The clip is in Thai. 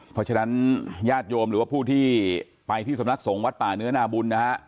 เพราะฉะนั้นญาติโยมหรือว่าผู้ที่ไปที่สำนักสงฆ์วัดป่าเนื้อนาบุญนะฮะ